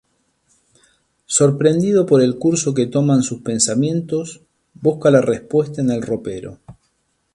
Sorprendido por el curso que toman sus pensamientos, busca la respuesta en el ropero.